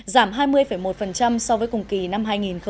giảm hai mươi một so với cùng kỳ năm hai nghìn một mươi tám